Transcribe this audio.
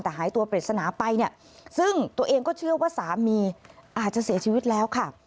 แต่หายตัวปริศนาไปเนี่ยซึ่งตัวเองก็เชื่อว่าสามีอาจจะเสียชีวิตแล้วค่ะ